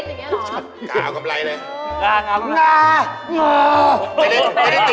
จัดอีเวทอย่างนี้หรือจัดอีเวทกล่าวคำไรเลย